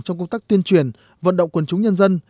trong công tác tuyên truyền vận động quần chúng nhân dân